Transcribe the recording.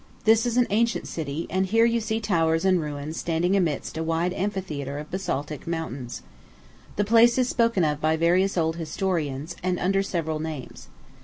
This is an ancient city, and here you see towers and ruins standing amidst a wide amphitheatre of basaltic mountains. The place is spoken of by various old historians, and under several names.